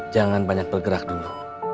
jangan banyak bergerak dulu